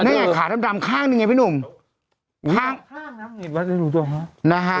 นั่นไงขาดำดำข้างนี่ไงพี่หนุ่มข้างข้างน้ำนี่นะฮะ